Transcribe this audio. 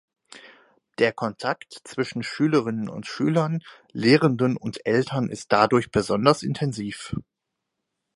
Der Kontakt zwischen Schülerinnen und Schülern, Lehrenden und Eltern ist dadurch besonders intensiv.